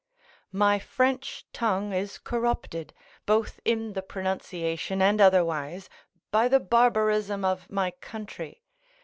My French tongue is corrupted, both in the pronunciation and otherwise, by the barbarism of my country.